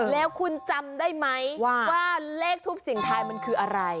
แล้วคุณจำได้ไหมว่าเลขทูปเสียงทายมันคืออะไร